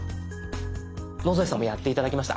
野添さんもやって頂きました。